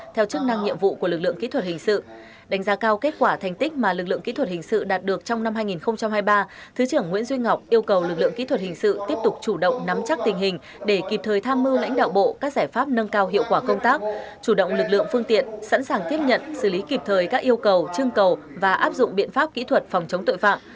theo chức năng nhiệm vụ của lực lượng kỹ thuật hình sự đánh giá cao kết quả thành tích mà lực lượng kỹ thuật hình sự đạt được trong năm hai nghìn hai mươi ba thứ trưởng nguyễn duy ngọc yêu cầu lực lượng kỹ thuật hình sự tiếp tục chủ động nắm chắc tình hình để kịp thời tham mưu lãnh đạo bộ các giải pháp nâng cao hiệu quả công tác chủ động lực lượng phương tiện sẵn sàng tiếp nhận xử lý kịp thời các yêu cầu chương cầu và áp dụng biện pháp kỹ thuật phòng chống tội phạm